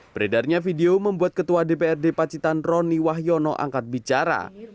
beredarnya video membuat ketua dprd pacitan roni wahyono angkat bicara